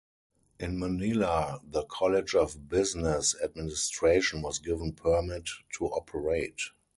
In Manila, the College of Business Administration was given permit to operate.